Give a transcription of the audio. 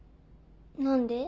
何で？